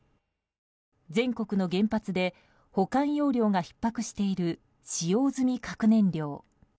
全国の原発で保管容量がひっ迫している使用済み核燃料。